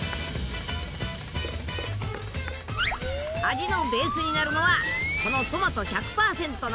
味のベースになるのはこのトマト１００％のペースト！